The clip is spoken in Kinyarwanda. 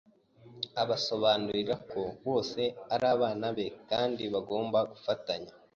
abasobanurira ko bose ari abana be kandi bagomba gufatanya